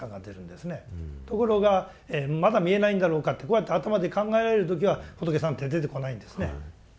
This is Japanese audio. ところがまだ見えないんだろうかってこうやって頭で考えられる時は仏さんって出てこないんですね。